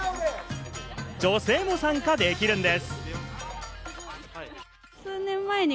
女性も参加できるんです。